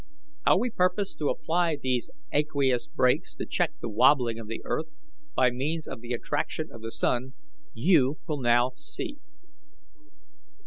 How we purpose to apply these aqueous brakes to check the wabbling of the earth, by means of the attraction of the sun, you will now see.